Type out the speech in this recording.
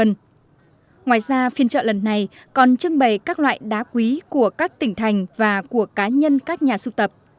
ngoài ra phiên trợ lần này còn trưng bày các loại đá quý của các tỉnh thành và của cá nhân các nhà sưu tập